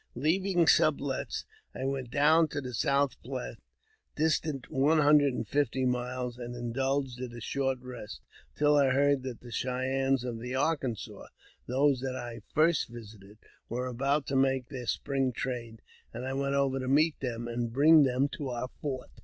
Leaving Sublet's, I went down to the South Platte, distant one hundred and fifty miles, and indulged in a short rest, until I heard that the Cheyennes of the Arkansas — those that I first visited — were about to make their spring trade, and I went over to meet them, and bring them to our fort.